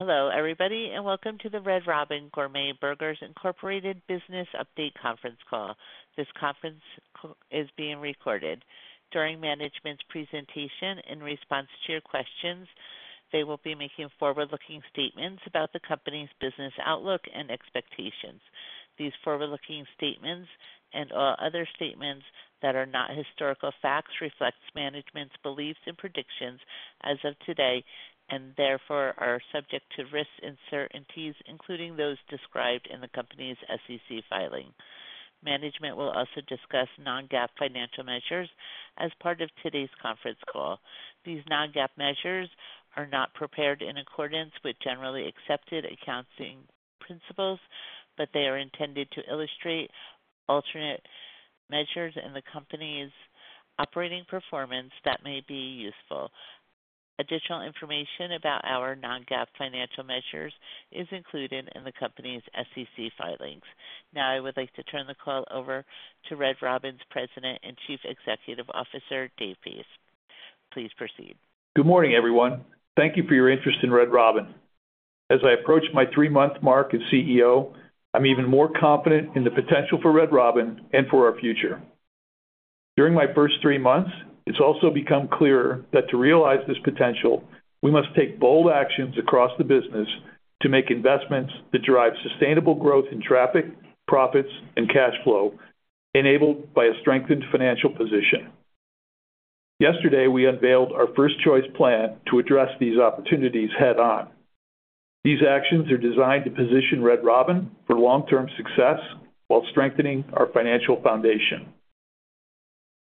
Hello, everybody, and welcome to the Red Robin Gourmet Burgers, Inc. business update conference call. This conference call is being recorded. During management's presentation in response to your questions, they will be making forward-looking statements about the company's business outlook and expectations. These forward-looking statements and all other statements that are not historical facts reflect management's beliefs and predictions as of today and therefore are subject to risk uncertainties, including those described in the company's SEC filing. Management will also discuss non-GAAP financial measures as part of today's conference call. These non-GAAP measures are not prepared in accordance with generally accepted accounting principles, but they are intended to illustrate alternate measures in the company's operating performance that may be useful. Additional information about our non-GAAP financial measures is included in the company's SEC filings. Now, I would like to turn the call over to Red Robin's President and Chief Executive Officer, Dave Pace. Please proceed. Good morning, everyone. Thank you for your interest in Red Robin. As I approach my three-month mark as CEO, I'm even more confident in the potential for Red Robin and for our future. During my first three months, it's also become clearer that to realize this potential, we must take bold actions across the business to make investments that drive sustainable growth in traffic, profits, and cash flow, enabled by a strengthened financial position. Yesterday, we unveiled our first-choice plan to address these opportunities head-on. These actions are designed to position Red Robin for long-term success while strengthening our financial foundation.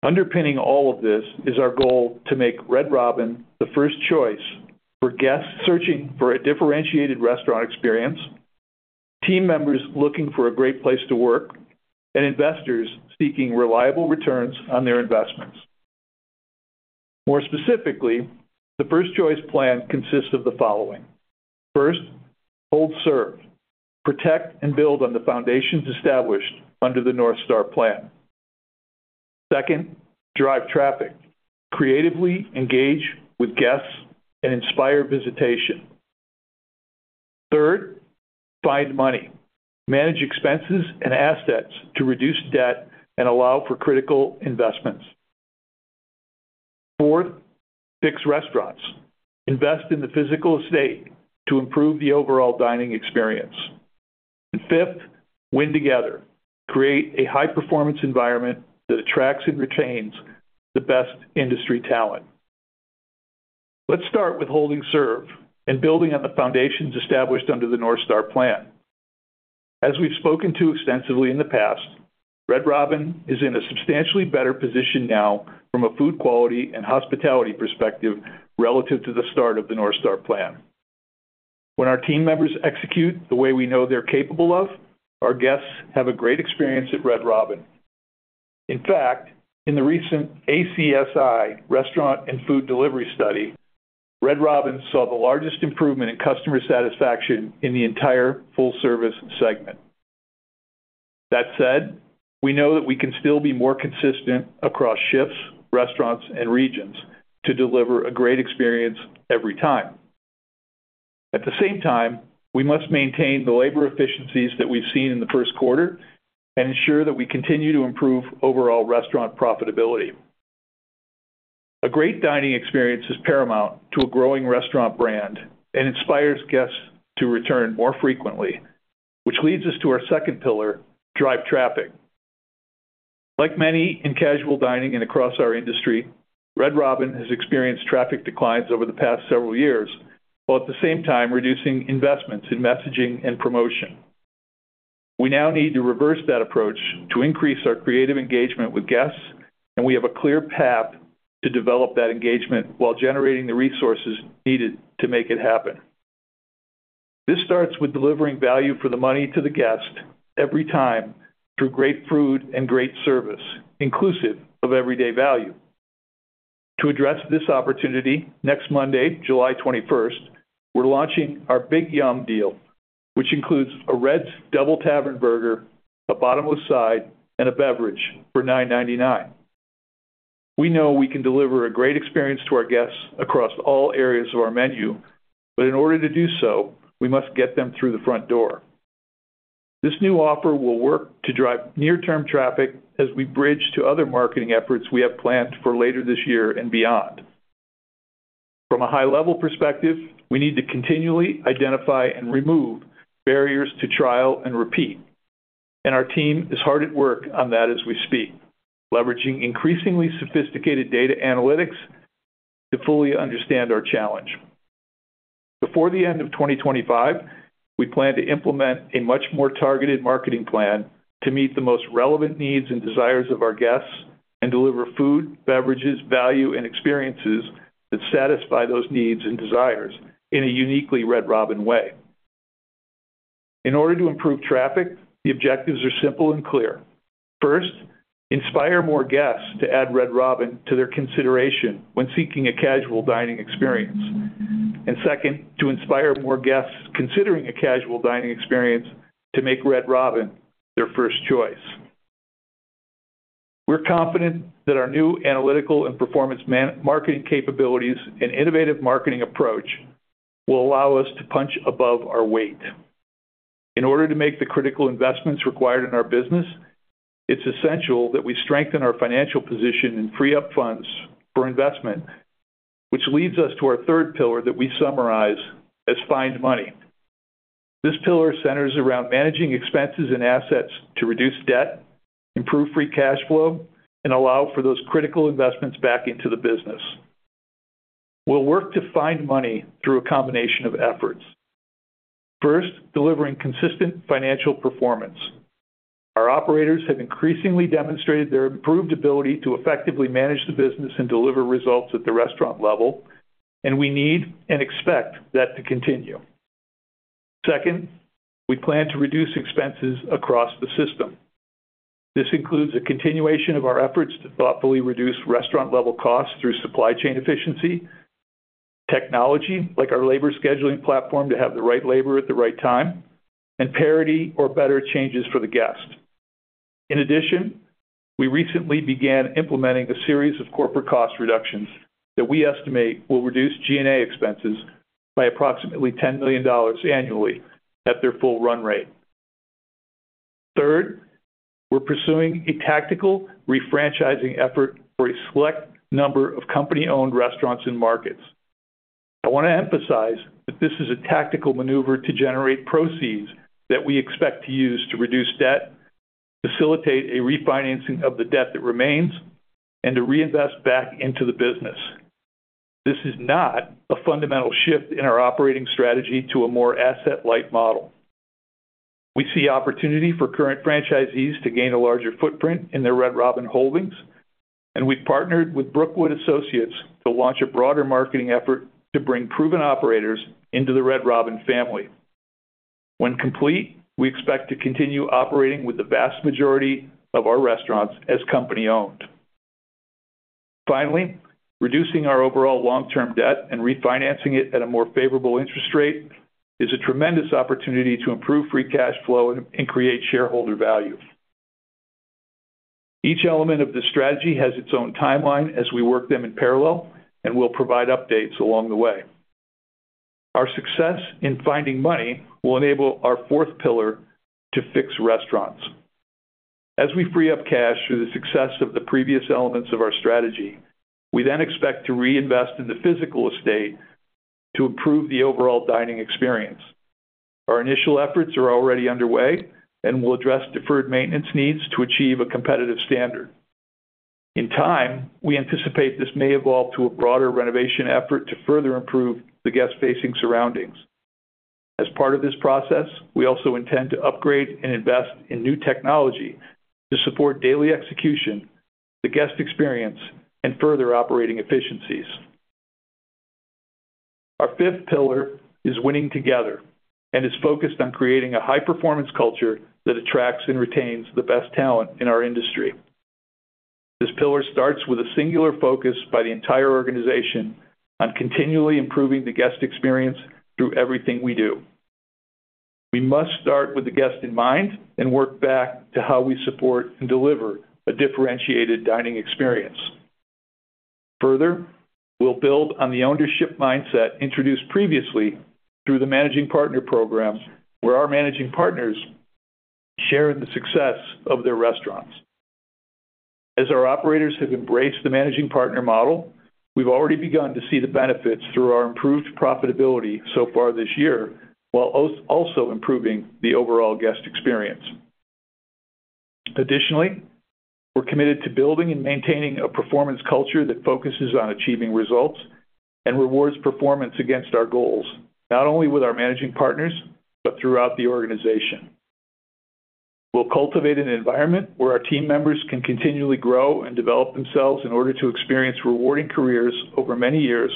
Underpinning all of this is our goal to make Red Robin the first choice for guests searching for a differentiated restaurant experience, team members looking for a great place to work, and investors seeking reliable returns on their investments. More specifically, the first-choice plan consists of the following: first, hold serve, protect, and build on the foundations established under the North Star Plan. Second, drive traffic, creatively engage with guests, and inspire visitation. Third, find money, manage expenses and assets to reduce debt and allow for critical investments. Fourth, fix restaurants, invest in the physical estate to improve the overall dining experience. Fifth, win together, create a high-performance environment that attracts and retains the best industry talent. Let's start with holding serve and building on the foundations established under the North Star Plan. As we've spoken to extensively in the past, Red Robin is in a substantially better position now from a food quality and hospitality perspective relative to the start of the North Star Plan. When our team members execute the way we know they're capable of, our guests have a great experience at Red Robin. In fact, in the recent ACSI restaurant and food delivery study, Red Robin saw the largest improvement in customer satisfaction in the entire full-service segment. That said, we know that we can still be more consistent across shifts, restaurants, and regions to deliver a great experience every time. At the same time, we must maintain the labor efficiencies that we've seen in the first quarter and ensure that we continue to improve overall restaurant profitability. A great dining experience is paramount to a growing restaurant brand and inspires guests to return more frequently, which leads us to our second pillar, drive traffic. Like many in casual dining and across our industry, Red Robin Gourmet Burgers has experienced traffic declines over the past several years, while at the same time reducing investments in messaging and promotion. We now need to reverse that approach to increase our creative engagement with guests, and we have a clear path to develop that engagement while generating the resources needed to make it happen. This starts with delivering value for the money to the guest every time through great food and great service, inclusive of everyday value. To address this opportunity, next Monday, July 21, we're launching our Big Yum deal, which includes a Red's Double Tavern burger, a bottomless side, and a beverage for $9.99. We know we can deliver a great experience to our guests across all areas of our menu, but in order to do so, we must get them through the front door. This new offer will work to drive near-term traffic as we bridge to other marketing efforts we have planned for later this year and beyond. From a high-level perspective, we need to continually identify and remove barriers to trial and repeat, and our team is hard at work on that as we speak, leveraging increasingly sophisticated data analytics to fully understand our challenge. Before the end of 2025, we plan to implement a much more targeted marketing plan to meet the most relevant needs and desires of our guests and deliver food, beverages, value, and experiences that satisfy those needs and desires in a uniquely Red Robin way. In order to improve traffic, the objectives are simple and clear. First, inspire more guests to add Red Robin to their consideration when seeking a casual dining experience. Second, inspire more guests considering a casual dining experience to make Red Robin their first choice. We're confident that our new analytical and performance marketing capabilities and innovative marketing approach will allow us to punch above our weight. In order to make the critical investments required in our business, it's essential that we strengthen our financial position and free up funds for investment, which leads us to our third pillar that we summarize as find money. This pillar centers around managing expenses and assets to reduce debt, improve free cash flow, and allow for those critical investments back into the business. We'll work to find money through a combination of efforts. First, delivering consistent financial performance. Our operators have increasingly demonstrated their improved ability to effectively manage the business and deliver results at the restaurant level, and we need and expect that to continue. Second, we plan to reduce expenses across the system. This includes a continuation of our efforts to thoughtfully reduce restaurant-level costs through supply chain efficiency, technology like our labor scheduling platform to have the right labor at the right time, and parity or better changes for the guest. In addition, we recently began implementing a series of corporate cost reductions that we estimate will reduce G&A expenses by approximately $10 million annually at their full run rate. Third, we're pursuing a tactical refranchising effort for a select number of company-owned restaurants and markets. I want to emphasize that this is a tactical maneuver to generate proceeds that we expect to use to reduce debt, facilitate a refinancing of the debt that remains, and to reinvest back into the business. This is not a fundamental shift in our operating strategy to a more asset-light model. We see opportunity for current franchisees to gain a larger footprint in their Red Robin Gourmet Burgers holdings, and we've partnered with Brookwood Associates to launch a broader marketing effort to bring proven operators into the Red Robin Gourmet Burgers family. When complete, we expect to continue operating with the vast majority of our restaurants as company-owned. Finally, reducing our overall long-term debt and refinancing it at a more favorable interest rate is a tremendous opportunity to improve free cash flow and create shareholder value. Each element of the strategy has its own timeline as we work them in parallel and will provide updates along the way. Our success in finding money will enable our fourth pillar to fix restaurants. As we free up cash through the success of the previous elements of our strategy, we then expect to reinvest in the physical estate to improve the overall dining experience. Our initial efforts are already underway and will address deferred maintenance needs to achieve a competitive standard. In time, we anticipate this may evolve to a broader renovation effort to further improve the guest-facing surroundings. As part of this process, we also intend to upgrade and invest in new technology to support daily execution, the guest experience, and further operating efficiencies. Our fifth pillar is winning together and is focused on creating a high-performance culture that attracts and retains the best talent in our industry. This pillar starts with a singular focus by the entire organization on continually improving the guest experience through everything we do. We must start with the guest in mind and work back to how we support and deliver a differentiated dining experience. Further, we'll build on the ownership mindset introduced previously through the managing partner program, where our managing partners share in the success of their restaurants. As our operators have embraced the managing partner model, we've already begun to see the benefits through our improved profitability so far this year, while also improving the overall guest experience. Additionally, we're committed to building and maintaining a performance culture that focuses on achieving results and rewards performance against our goals, not only with our managing partners but throughout the organization. We'll cultivate an environment where our team members can continually grow and develop themselves in order to experience rewarding careers over many years.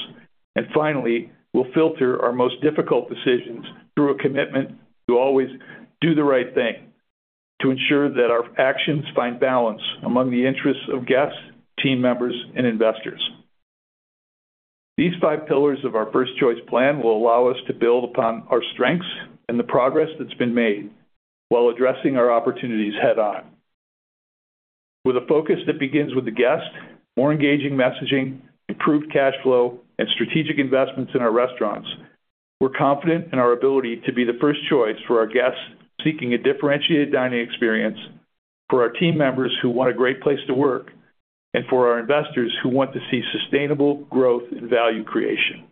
Finally, we'll filter our most difficult decisions through a commitment to always do the right thing to ensure that our actions find balance among the interests of guests, team members, and investors. These five pillars of our first-choice plan will allow us to build upon our strengths and the progress that's been made while addressing our opportunities head-on. With a focus that begins with the guest, more engaging messaging, improved cash flow, and strategic investments in our restaurants, we're confident in our ability to be the first choice for our guests seeking a differentiated dining experience, for our team members who want a great place to work, and for our investors who want to see sustainable growth and value creation.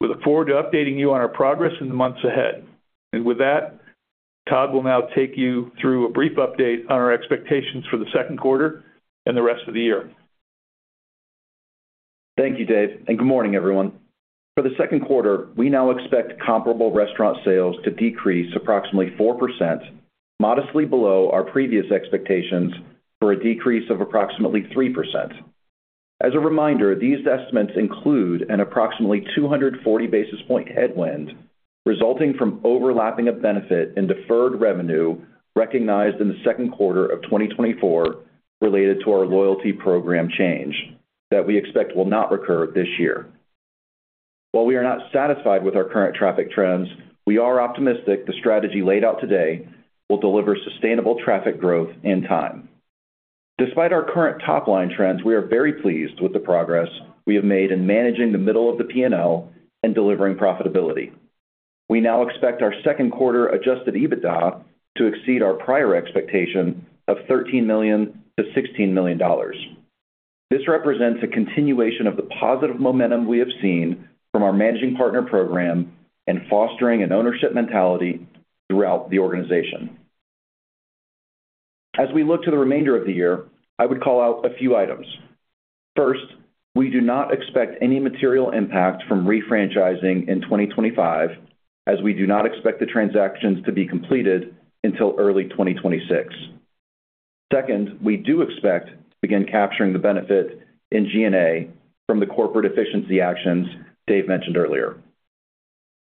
We look forward to updating you on our progress in the months ahead. With that, Todd will now take you through a brief update on our expectations for the second quarter and the rest of the year. Thank you, Dave, and good morning, everyone. For the second quarter, we now expect comparable restaurant sales to decrease approximately 4%, modestly below our previous expectations for a decrease of approximately 3%. As a reminder, these estimates include an approximately 240 basis point headwind resulting from overlapping a benefit in deferred revenue recognized in the second quarter of 2024 related to our loyalty program change that we expect will not recur this year. While we are not satisfied with our current traffic trends, we are optimistic the strategy laid out today will deliver sustainable traffic growth in time. Despite our current top-line trends, we are very pleased with the progress we have made in managing the middle of the P&L and delivering profitability. We now expect our second quarter adjusted EBITDA to exceed our prior expectation of $13 million-$16 million. This represents a continuation of the positive momentum we have seen from our managing partner program and fostering an ownership mentality throughout the organization. As we look to the remainder of the year, I would call out a few items. First, we do not expect any material impact from refranchising in 2025, as we do not expect the transactions to be completed until early 2026. Second, we do expect to begin capturing the benefit in G&A from the corporate efficiency actions Dave mentioned earlier.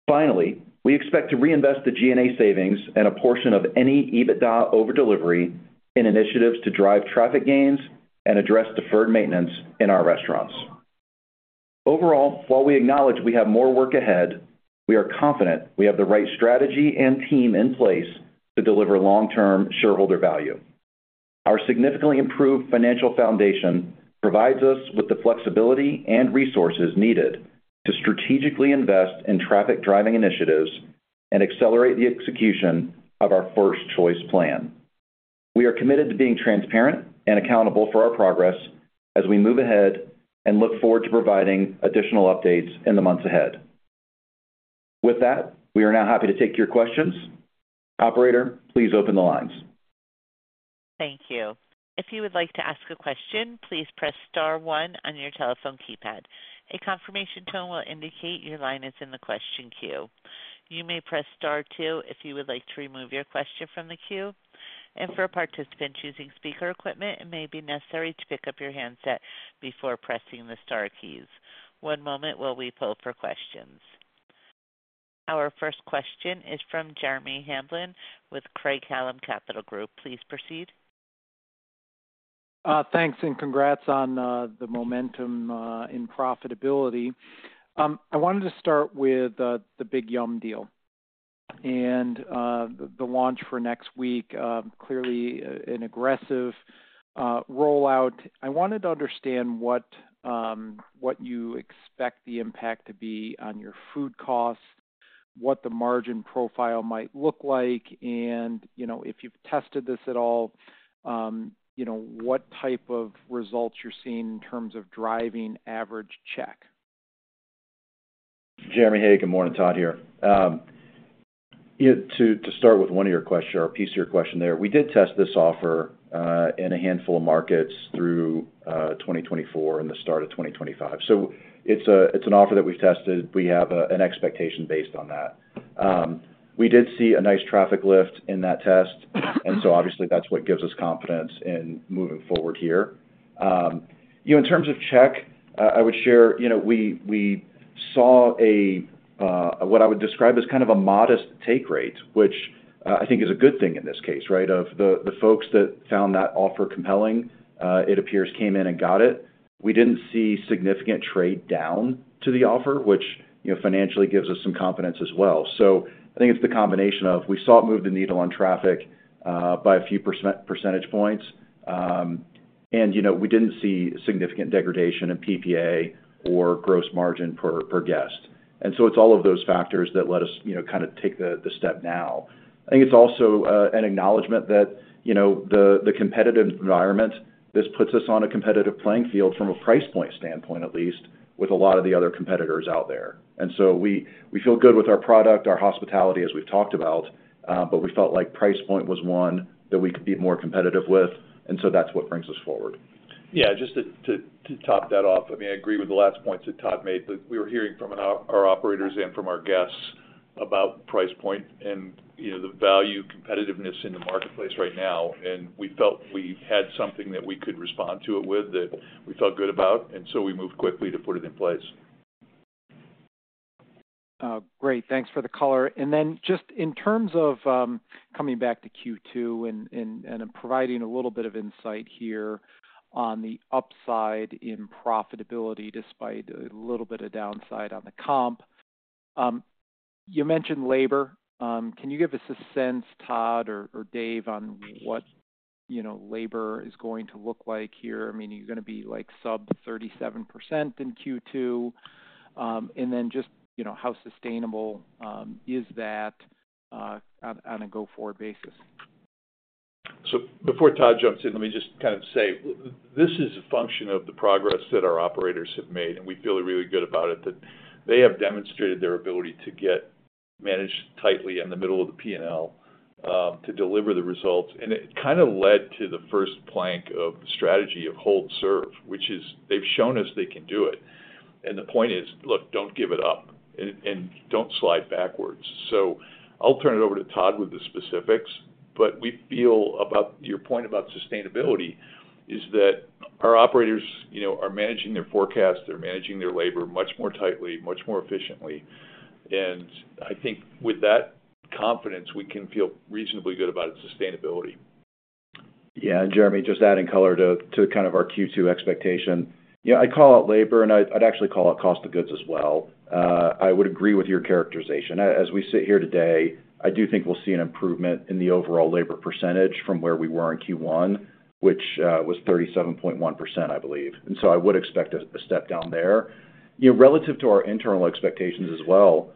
Finally, we expect to reinvest the G&A savings and a portion of any EBITDA over delivery in initiatives to drive traffic gains and address deferred maintenance in our restaurants. Overall, while we acknowledge we have more work ahead, we are confident we have the right strategy and team in place to deliver long-term shareholder value. Our significantly improved financial foundation provides us with the flexibility and resources needed to strategically invest in traffic-driving initiatives and accelerate the execution of our first-choice plan. We are committed to being transparent and accountable for our progress as we move ahead and look forward to providing additional updates in the months ahead. With that, we are now happy to take your questions. Operator, please open the lines. Thank you. If you would like to ask a question, please press star one on your telephone keypad. A confirmation tone will indicate your line is in the question queue. You may press star two if you would like to remove your question from the queue. For a participant choosing speaker equipment, it may be necessary to pick up your handset before pressing the star keys. One moment while we pull for questions. Our first question is from Jeremy Scott Hamblin with Craig-Hallum Capital Group LLC. Please proceed. Thanks and congrats on the momentum in profitability. I wanted to start with the Big Yum deal and the launch for next week, clearly an aggressive rollout. I wanted to understand what you expect the impact to be on your food costs, what the margin profile might look like, and if you've tested this at all, what type of results you're seeing in terms of driving average check. Jeremy, hey, good morning. Todd here. To start with one of your questions or a piece of your question there, we did test this offer in a handful of markets through 2024 and the start of 2025. It's an offer that we've tested. We have an expectation based on that. We did see a nice traffic lift in that test, and that's what gives us confidence in moving forward here. In terms of check, I would share, we saw a, what I would describe as kind of a modest take rate, which I think is a good thing in this case, right? Of the folks that found that offer compelling, it appears came in and got it. We didn't see significant trade down to the offer, which financially gives us some confidence as well. I think it's the combination of we saw it move the needle on traffic by a few percentage points, and we didn't see significant degradation in PPA or gross margin per guest. It's all of those factors that let us kind of take the step now. I think it's also an acknowledgment that the competitive environment, this puts us on a competitive playing field from a price point standpoint, at least with a lot of the other competitors out there. We feel good with our product, our hospitality, as we've talked about, but we felt like price point was one that we could be more competitive with. That's what brings us forward. Yeah, just to top that off, I mean, I agree with the last points that Todd made. We were hearing from our operators and from our guests about price point and the value competitiveness in the marketplace right now. We felt we had something that we could respond to it with that we felt good about, and we moved quickly to put it in place. Great. Thanks for the color. In terms of coming back to Q2 and providing a little bit of insight here on the upside in profitability despite a little bit of downside on the comp, you mentioned labor. Can you give us a sense, Todd or Dave, on what you know labor is going to look like here? I mean, you're going to be like sub 37% in Q2. How sustainable is that on a go-forward basis? Before Todd jumps in, let me just kind of say this is a function of the progress that our operators have made, and we feel really good about it, that they have demonstrated their ability to get managed tightly in the middle of the P&L to deliver the results. It kind of led to the first plank of the strategy of hold serve, which is they've shown us they can do it. The point is, look, don't give it up and don't slide backwards. I'll turn it over to Todd with the specifics. We feel about your point about sustainability is that our operators, you know, are managing their forecast. They're managing their labor much more tightly, much more efficiently. I think with that confidence, we can feel reasonably good about its sustainability. Yeah. Jeremy, just adding color to kind of our Q2 expectation, I'd call out labor, and I'd actually call out cost of goods as well. I would agree with your characterization. As we sit here today, I do think we'll see an improvement in the overall labor percentage from where we were in Q1, which was 37.1%, I believe. I would expect a step down there. Relative to our internal expectations as well,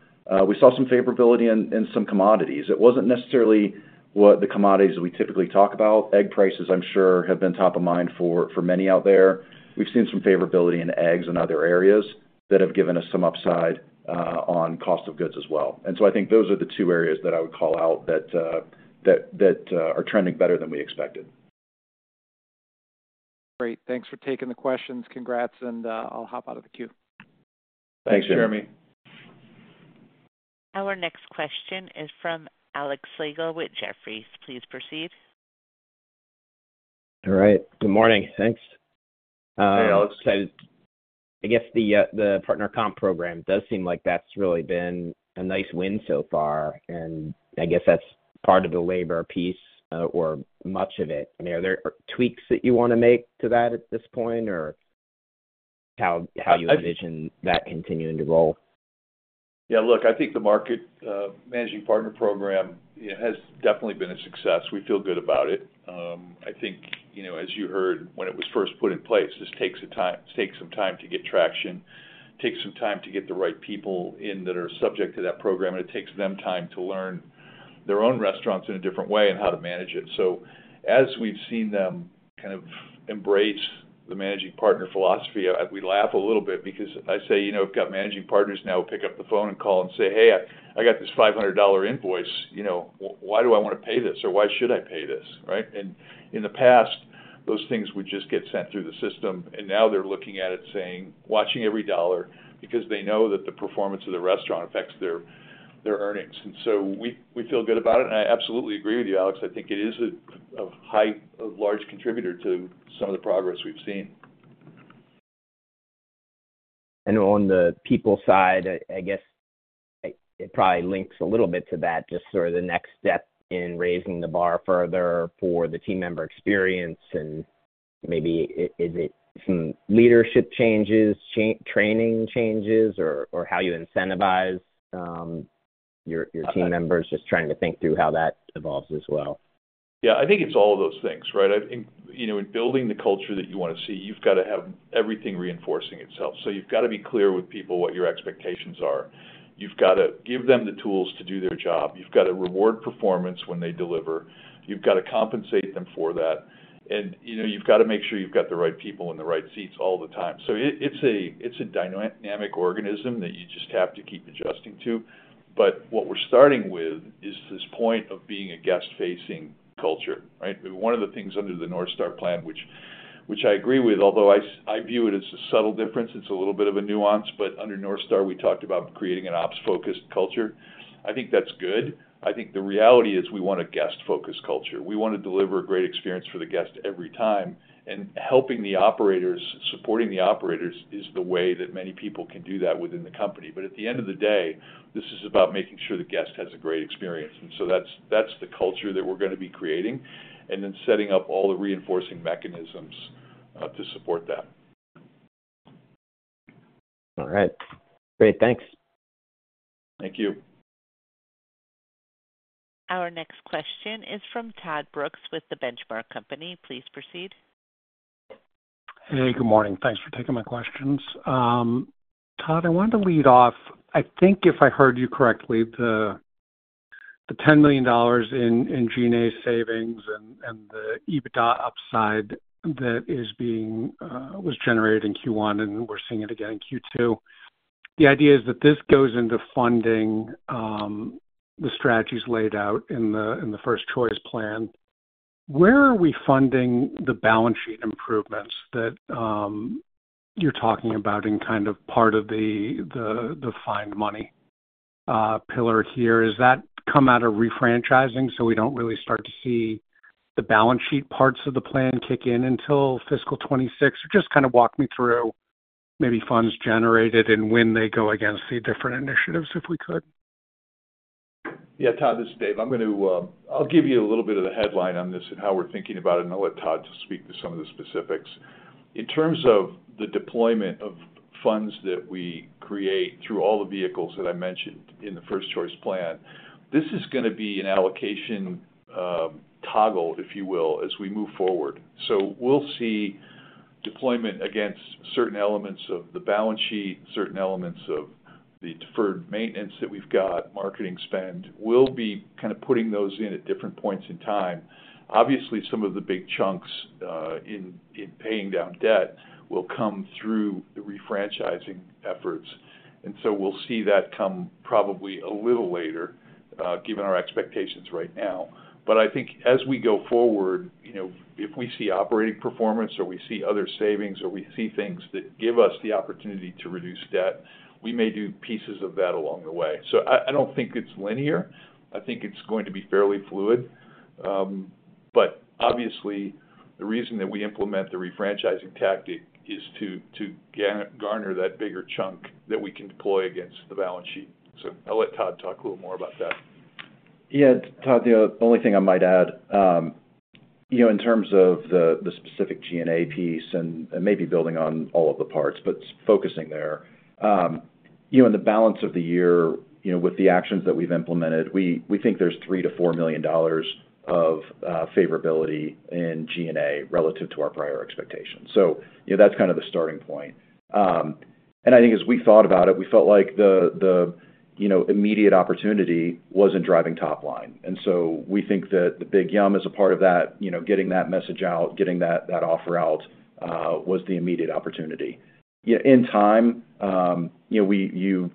we saw some favorability in some commodities. It wasn't necessarily the commodities we typically talk about. Egg prices, I'm sure, have been top of mind for many out there. We've seen some favorability in eggs and other areas that have given us some upside on cost of goods as well. I think those are the two areas that I would call out that are trending better than we expected. Great. Thanks for taking the questions. Congrats. I'll hop out of the queue. Thanks, Jeremy. Our next question is from Alexander Russell Slagle with Jefferies LLC. Please proceed. All right. Good morning. Thanks. Hey, Alex. I guess the managing partner program does seem like that's really been a nice win so far. I guess that's part of the labor piece or much of it. I mean, are there tweaks that you want to make to that at this point, or how you envision that continuing to roll? Yeah, look, I think the market managing partner program has definitely been a success. We feel good about it. I think, as you heard, when it was first put in place, this takes some time to get traction, takes some time to get the right people in that are subject to that program, and it takes them time to learn their own restaurants in a different way and how to manage it. As we've seen them kind of embrace the managing partner philosophy, we laugh a little bit because I say, you know, I've got managing partners now who pick up the phone and call and say, "Hey, I got this $500 invoice. Why do I want to pay this or why should I pay this?" In the past, those things would just get sent through the system. Now they're looking at it, watching every dollar because they know that the performance of the restaurant affects their earnings. We feel good about it. I absolutely agree with you, Alex. I think it is a high, large contributor to some of the progress we've seen. On the people side, I guess it probably links a little bit to that, just sort of the next step in raising the bar further for the team member experience. Maybe is it some leadership changes, training changes, or how you incentivize your team members, just trying to think through how that evolves as well. Yeah, I think it's all of those things, right? I think in building the culture that you want to see, you've got to have everything reinforcing itself. You've got to be clear with people what your expectations are. You've got to give them the tools to do their job. You've got to reward performance when they deliver. You've got to compensate them for that. You've got to make sure you've got the right people in the right seats all the time. It's a dynamic organism that you just have to keep adjusting to. What we're starting with is this point of being a guest-facing culture, right? One of the things under the North Star Plan, which I agree with, although I view it as a subtle difference, it's a little bit of a nuance. Under North Star, we talked about creating an ops-focused culture. I think that's good. The reality is we want a guest-focused culture. We want to deliver a great experience for the guest every time. Helping the operators, supporting the operators is the way that many people can do that within the company. At the end of the day, this is about making sure the guest has a great experience. That's the culture that we're going to be creating and then setting up all the reinforcing mechanisms to support that. All right. Great, thanks. Thank you. Our next question is from Todd Brooks with The Benchmark Company. Please proceed. Hey, good morning. Thanks for taking my questions. Todd, I wanted to lead off. I think if I heard you correctly, the $10 million in G&A expense savings and the adjusted EBITDA upside that is being generated in Q1, and we're seeing it again in Q2. The idea is that this goes into funding the strategies laid out in the first choice plan. Where are we funding the balance sheet improvements that you're talking about in kind of part of the find money pillar here? Does that come out of refranchising so we don't really start to see the balance sheet parts of the plan kick in until fiscal 2026? Just kind of walk me through maybe funds generated and when they go against the different initiatives if we could. Yeah, Todd, this is Dave. I'm going to give you a little bit of the headline on this and how we're thinking about it, and I'll let Todd speak to some of the specifics. In terms of the deployment of funds that we create through all the vehicles that I mentioned in the first choice plan, this is going to be an allocation toggle, if you will, as we move forward. We'll see deployment against certain elements of the balance sheet, certain elements of the deferred maintenance that we've got, marketing spend. We'll be kind of putting those in at different points in time. Obviously, some of the big chunks in paying down debt will come through the refranchising efforts. We'll see that come probably a little later, given our expectations right now. I think as we go forward, you know, if we see operating performance or we see other savings or we see things that give us the opportunity to reduce debt, we may do pieces of that along the way. I don't think it's linear. I think it's going to be fairly fluid. Obviously, the reason that we implement the refranchising tactic is to garner that bigger chunk that we can deploy against the balance sheet. I'll let Todd talk a little more about that. Yeah, Todd, the only thing I might add, in terms of the specific G&A piece and maybe building on all of the parts, but focusing there, in the balance of the year, with the actions that we've implemented, we think there's $3 million-$4 million of favorability in G&A relative to our prior expectations. That's kind of the starting point. I think as we thought about it, we felt like the immediate opportunity wasn't driving top line. We think that the Big Yum is a part of that, getting that message out, getting that offer out was the immediate opportunity. In time, you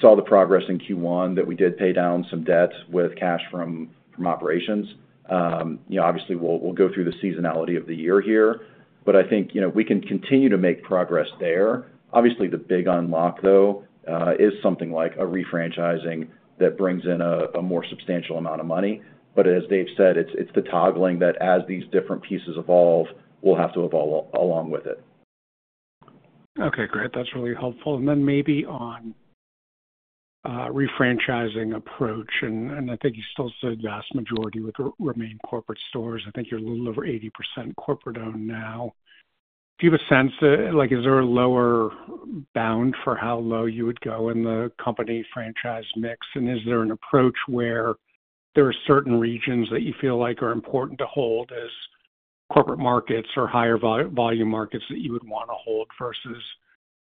saw the progress in Q1 that we did pay down some debts with cash from operations. Obviously, we'll go through the seasonality of the year here. I think we can continue to make progress there. Obviously, the big unlock, though, is something like a refranchising that brings in a more substantial amount of money. As Dave said, it's the toggling that as these different pieces evolve, we'll have to evolve along with it. Okay, great. That's really helpful. Maybe on a refranchising approach, I think you still said the vast majority would remain corporate stores. I think you're a little over 80% corporate-owned now. Do you have a sense that, like, is there a lower bound for how low you would go in the company franchise mix? Is there an approach where there are certain regions that you feel like are important to hold as corporate markets or higher volume markets that you would want to hold versus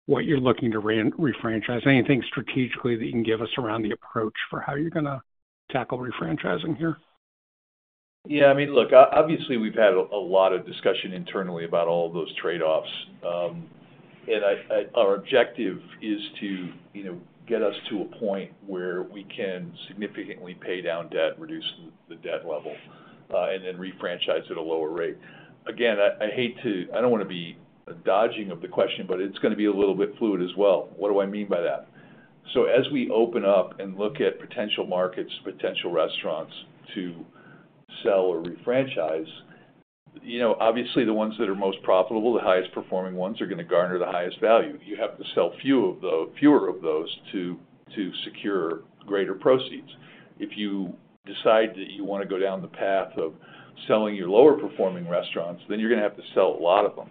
what you're looking to refranchise? Anything strategically that you can give us around the approach for how you're going to tackle refranchising here? Yeah, I mean, look, obviously, we've had a lot of discussion internally about all of those trade-offs. Our objective is to, you know, get us to a point where we can significantly pay down debt, reduce the debt level, and then refranchise at a lower rate. I don't want to be dodging the question, but it's going to be a little bit fluid as well. What do I mean by that? As we open up and look at potential markets, potential restaurants to sell or refranchise, obviously, the ones that are most profitable, the highest performing ones, are going to garner the highest value. You have to sell fewer of those to secure greater proceeds. If you decide that you want to go down the path of selling your lower performing restaurants, then you're going to have to sell a lot of them.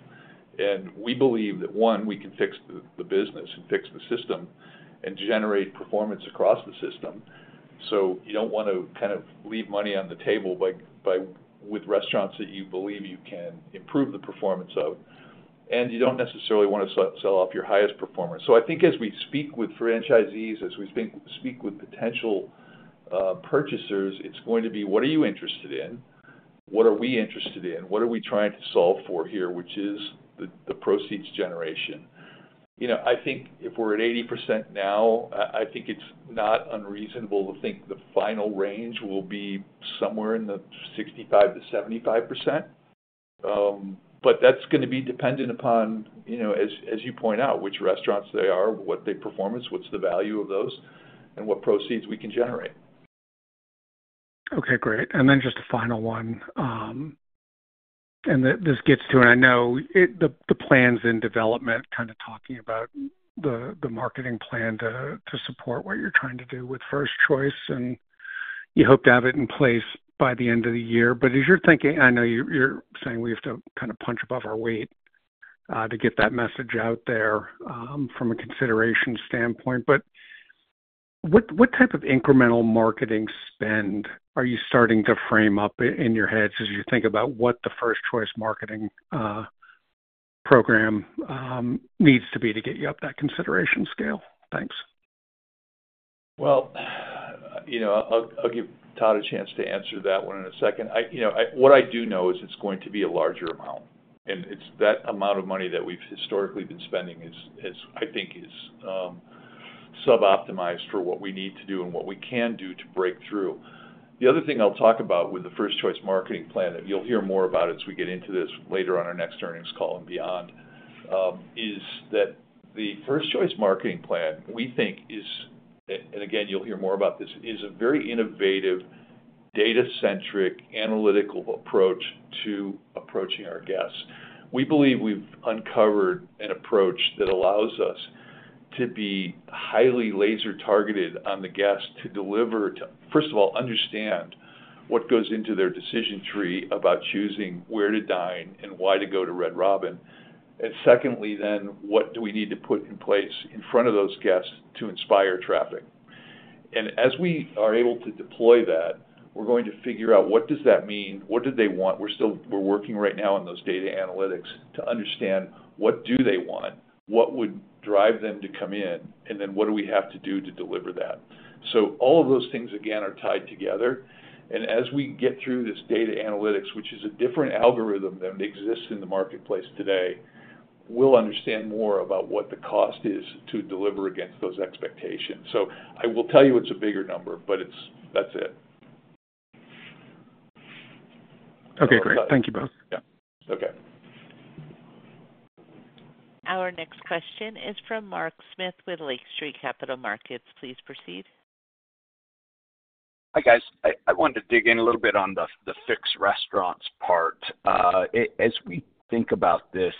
We believe that, one, we can fix the business and fix the system and generate performance across the system. You don't want to kind of leave money on the table with restaurants that you believe you can improve the performance of, and you don't necessarily want to sell off your highest performers. I think as we speak with franchisees, as we speak with potential purchasers, it's going to be, what are you interested in? What are we interested in? What are we trying to solve for here, which is the proceeds generation? I think if we're at 80% now, I think it's not unreasonable to think the final range will be somewhere in the 65%-75%. That's going to be dependent upon, you know, as you point out, which restaurants they are, what their performance is, what's the value of those, and what proceeds we can generate. Okay, great. Just a final one. This gets to, I know the plan is in development, kind of talking about the marketing plan to support what you're trying to do with first choice, and you hope to have it in place by the end of the year. As you're thinking, I know you're saying we have to kind of punch above our weight to get that message out there from a consideration standpoint. What type of incremental marketing spend are you starting to frame up in your heads as you think about what the first choice marketing program needs to be to get you up that consideration scale? Thanks. I'll give Todd a chance to answer that one in a second. What I do know is it's going to be a larger amount. It's that amount of money that we've historically been spending is, I think, suboptimized for what we need to do and what we can do to break through. The other thing I'll talk about with the first choice marketing plan that you'll hear more about as we get into this later on our next earnings call and beyond is that the first choice marketing plan we think is, and again, you'll hear more about this, is a very innovative, data-centric, analytical approach to approaching our guests. We believe we've uncovered an approach that allows us to be highly laser-targeted on the guest to deliver, to, first of all, understand what goes into their decision tree about choosing where to dine and why to go to Red Robin Gourmet Burgers. Secondly, then what do we need to put in place in front of those guests to inspire traffic? As we are able to deploy that, we're going to figure out what does that mean, what do they want. We're still working right now on those data analytics to understand what do they want, what would drive them to come in, and then what do we have to do to deliver that. All of those things, again, are tied together. As we get through this data analytics, which is a different algorithm than exists in the marketplace today, we'll understand more about what the cost is to deliver against those expectations. I will tell you it's a bigger number, but that's it. Okay, great. Thank you both. Yeah. Okay. Our next question is from Mark Eric Smith with Lake Street Capital Markets LLC. Please proceed. Hi guys. I wanted to dig in a little bit on the fixed restaurants part. As we think about this,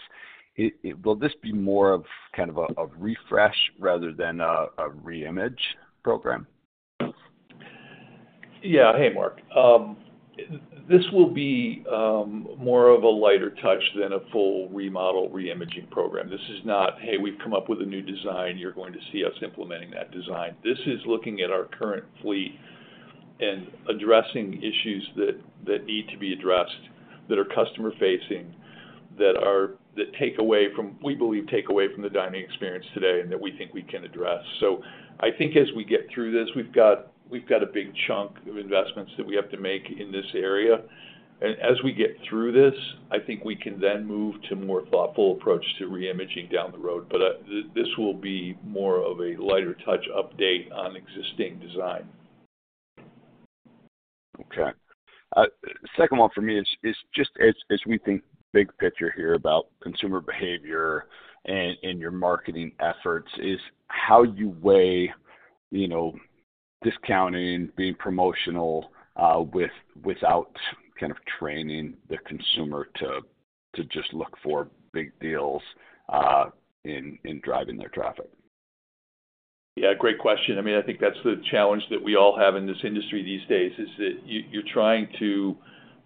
will this be more of kind of a refresh rather than a reimage program? Yeah. Hey, Mark. This will be more of a lighter touch than a full remodel reimaging program. This is not, "Hey, we've come up with a new design. You're going to see us implementing that design." This is looking at our current fleet and addressing issues that need to be addressed, that are customer-facing, that take away from, we believe, take away from the dining experience today and that we think we can address. I think as we get through this, we've got a big chunk of investments that we have to make in this area. As we get through this, I think we can then move to a more thoughtful approach to reimaging down the road. This will be more of a lighter touch update on existing design. Okay. Second one for me is just as we think big picture here about consumer behavior and your marketing efforts, is how you weigh, you know, discounting, being promotional, without kind of training the consumer to just look for big deals in driving their traffic. Yeah, great question. I mean, I think that's the challenge that we all have in this industry these days is that you're trying to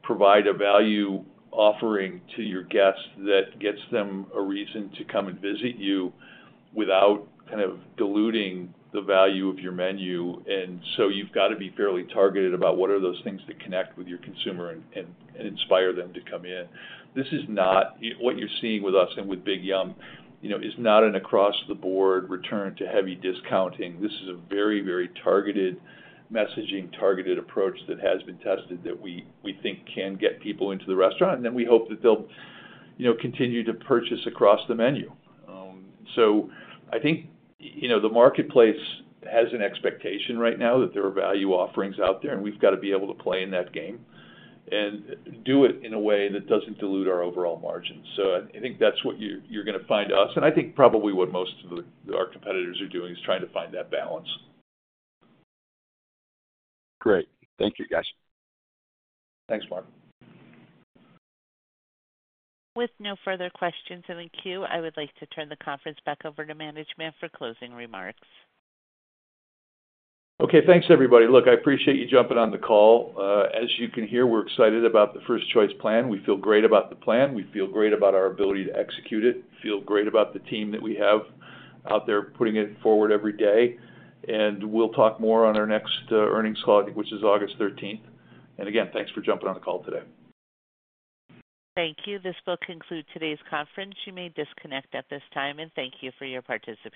provide a value offering to your guests that gets them a reason to come and visit you without kind of diluting the value of your menu. You've got to be fairly targeted about what are those things that connect with your consumer and inspire them to come in. This is not what you're seeing with us and with Big Yum, you know, is not an across-the-board return to heavy discounting. This is a very, very targeted messaging, targeted approach that has been tested that we think can get people into the restaurant. We hope that they'll, you know, continue to purchase across the menu. I think, you know, the marketplace has an expectation right now that there are value offerings out there, and we've got to be able to play in that game and do it in a way that doesn't dilute our overall margins. I think that's what you're going to find us. I think probably what most of our competitors are doing is trying to find that balance. Great. Thank you, guys. Thanks, Mark. With no further questions in the queue, I would like to turn the conference back over to management for closing remarks. Okay. Thanks, everybody. I appreciate you jumping on the call. As you can hear, we're excited about the first choice plan. We feel great about the plan. We feel great about our ability to execute it. Feel great about the team that we have out there putting it forward every day. We'll talk more on our next earnings call, which is August 13th. Again, thanks for jumping on the call today. Thank you. This will conclude today's conference. You may disconnect at this time, and thank you for your participation.